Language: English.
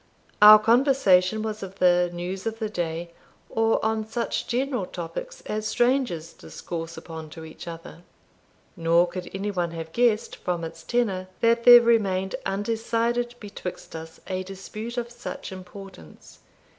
Our conversation was of the news of the day, or on such general topics as strangers discourse upon to each other; nor could any one have guessed, from its tenor, that there remained undecided betwixt us a dispute of such importance.